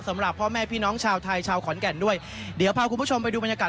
สำหรับพ่อแม่พี่น้องชาวไทยชาวขอนแก่นด้วยเดี๋ยวพาคุณผู้ชมไปดูบรรยากาศ